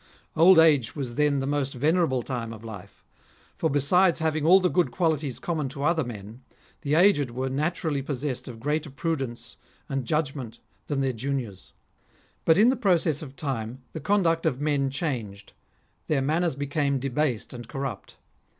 Old age was then the most venerable time of life ; for besides having all the good qualities common to other men, the aged were naturally possessed of greater prudence and judgment than their juniors. But in process of time, the conduct of men changed ; their manners became debased and corrupt.